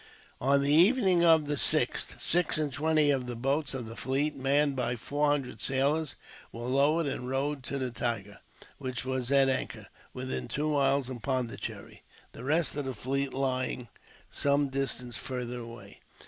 On the evening of the 6th, six and twenty of the boats of the fleet, manned by four hundred sailors, were lowered and rowed to the Tiger, which was at anchor within two miles of Pondicherry, the rest of the fleet lying some distance farther away.